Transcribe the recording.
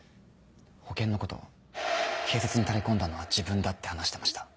保険のこと警察にタレ込んだのは自分だって話してました。